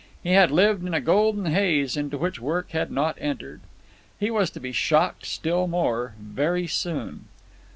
He had lived in a golden haze into which work had not entered. He was to be shocked still more very soon.